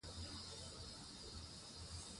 ازادي راډیو د طبیعي پېښې د اغیزو په اړه مقالو لیکلي.